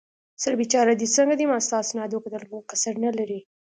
سر بېچاره دې څنګه دی؟ ما ستا اسناد وکتل، کوم کسر نه لرې.